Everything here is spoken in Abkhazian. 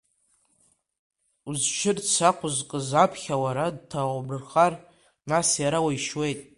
Узшьырц ақәызкыз аԥхьа уара дҭаумырхар, нас иара уишьуеит!